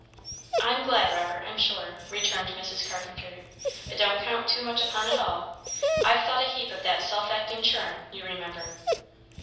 "I'm glad, Robert, I'm sure," returned Mrs. Carpenter; "but don't count too much upon it all. I've thought a heap of that self acting churn, you remember."